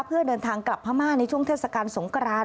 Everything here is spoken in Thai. เพื่อเดินทางกลับพม่าในช่วงเทศกาลสงกราน